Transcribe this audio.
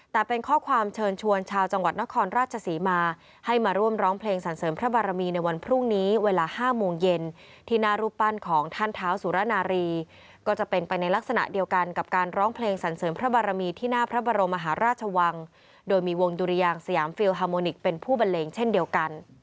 แต่เป็นข้อความเชิญชวนชาวจังหวัดนครราชศรีมาให้มาร่วมร้องเพลงสรรเสริมพระบารมีในวันพรุ่งนี้เวลา๕โมงเย็นที่หน้ารูปปั้นของท่านเท้าสุรนารีก็จะเป็นไปในลักษณะเดียวกันกับการร้องเพลงสรรเสริมพระบารมีที่หน้าพระบรมมหาราชวังโดยมีวงดุรยางสยามฟิลฮาโมนิกเป็นผู้บันเลงเช่นเดียวกัน